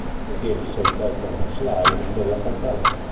Contiene sei performance live della cantante.